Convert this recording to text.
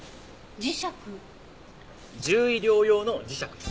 獣医療用の磁石です。